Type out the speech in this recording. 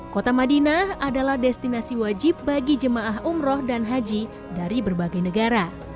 kota madinah adalah destinasi wajib bagi jemaah umroh dan haji dari berbagai negara